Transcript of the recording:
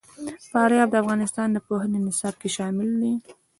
فاریاب د افغانستان د پوهنې نصاب کې شامل دي.